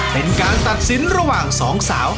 เป็นการตัดสินระหว่างสองสาว